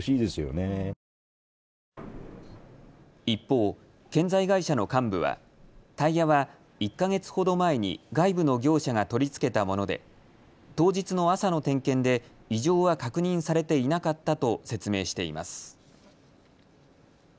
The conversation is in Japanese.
一方、建材会社の幹部はタイヤは１か月ほど前に外部の業者が取り付けたもので当日の朝の点検で異常は確認されていなかったと説明しています。